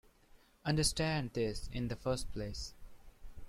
Understand this in the first place.